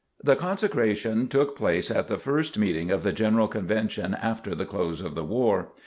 The consecration took place at the first meeting of the General Convention after the close of the war.